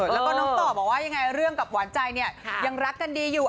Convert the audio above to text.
แล้วก็น้องต่อบอกว่ายังไงเรื่องกับหวานใจเนี่ยยังรักกันดีอยู่